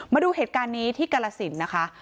มาดูเหตุการณ์นี้ที่กรสินนะคะ